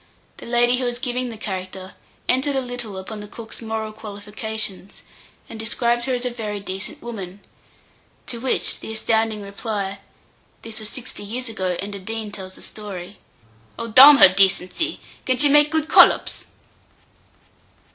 The lady who was giving the character entered a little upon the cook's moral qualifications, and described her as a very decent woman; to which the astounding reply this was 60 years ago, and a Dean tells the story "Oh, d n her decency; can she make good collops?"